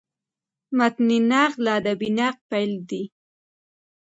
متني نقد له ادبي نقده بېل دﺉ.